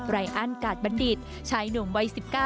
รอั้นกาดบัณฑิตชายหนุ่มวัย๑๙